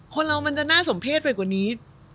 คนเรามันจะน่าสมเพศไปกว่านี้